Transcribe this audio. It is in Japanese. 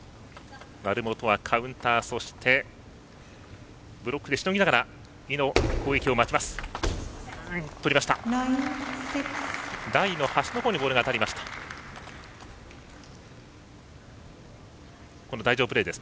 成本はカウンターそして、ブロックでしのぎながら井の攻撃を待ちます。